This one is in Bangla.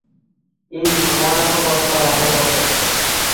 এইযে, তোমার তো গতকাল আসার কথা ছিল।